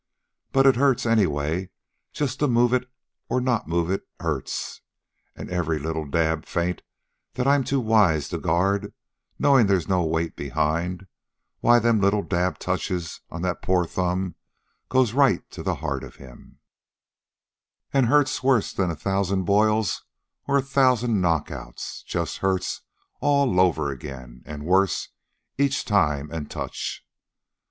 But it hurts, anyway. Just to move it or not move it hurts, an' every little dab feint that I'm too wise to guard, knowin' there's no weight behind, why them little dab touches on that poor thumb goes right to the heart of him, an' hurts worse than a thousand boils or a thousand knockouts just hurts all over again, an' worse, each time an' touch.